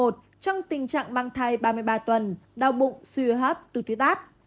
trong tình trạng mang thai ba mươi ba tuần đau bụng suy hấp tuyết áp